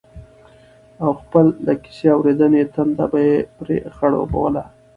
او خپل د کيسې اورېدنې تنده به يې پرې خړوبوله